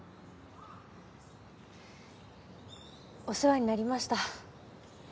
お世話になりました。